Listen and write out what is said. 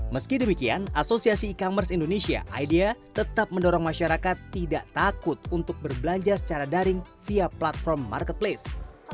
meski demikian asosiasi e commerce indonesia idea tetap mendorong masyarakat tidak takut untuk berbelanja secara daring via platform marketplace